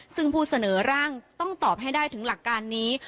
ซึ่งผู้เสนอร่างต้องตอบให้ได้ถึงหลักการนี้